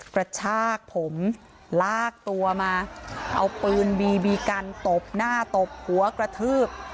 กระชากผมลากตัวมาเอาปืนบีบีกันตบหน้าตบหัวกระทืบ